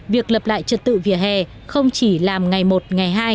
việc lập lại trật tự vỉa hè không chỉ làm ngày một ngày hai